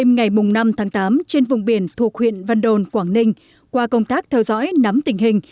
ngày năm tháng tám trên vùng biển thuộc huyện văn đồn quảng ninh qua công tác theo dõi nắm tình hình